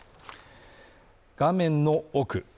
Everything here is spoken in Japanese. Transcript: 画面の奥